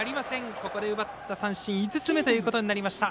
ここで奪った三振５つ目ということになりました。